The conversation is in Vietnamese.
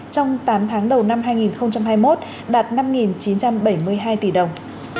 trong tám tháng đầu năm hai nghìn hai mươi một đạt năm chín trăm bảy mươi hai tỷ đồng